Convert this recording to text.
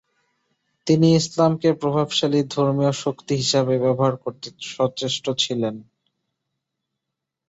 তিনি ইসলাম কে প্রভাবশালী ধর্মীয় শক্তি হিসাবে ব্যবহার করতে সচেষ্ট ছিলেন।